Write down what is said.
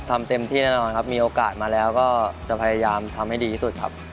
ทำเต็มที่แน่นอนครับมีโอกาสมาแล้วก็จะพยายามทำให้ดีที่สุดครับ